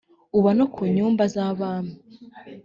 uba no ku nyumba z abami